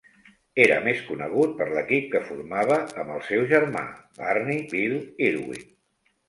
Era més conegut per l'equip que formava amb el seu germà Barney "Bill" Irwin.